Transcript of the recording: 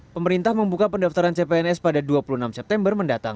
pemerintah membuka pendaftaran cpns pada dua puluh enam september mendatang